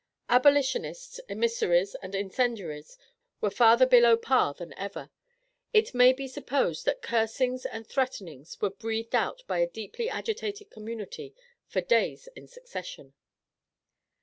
Abolitionists, emissaries, and incendiaries were farther below par than ever. It may be supposed that cursings and threatenings were breathed out by a deeply agitated community for days in succession.